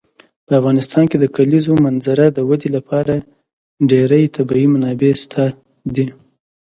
په افغانستان کې د کلیزو منظره د ودې لپاره ډېرې طبیعي منابع شته دي.